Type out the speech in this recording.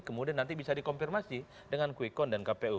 kemudian nanti bisa dikonfirmasi dengan kwekon dan kpu